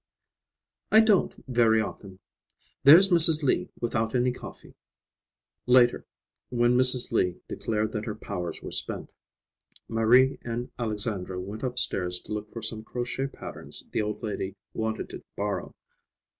"I don't, very often. There's Mrs. Lee without any coffee!" Later, when Mrs. Lee declared that her powers were spent, Marie and Alexandra went upstairs to look for some crochet patterns the old lady wanted to borrow.